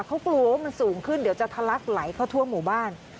เขากลัวว่ามันสูงขึ้นเดี๋ยวจะทะลักไหลเข้าทั่วหมู่บ้าน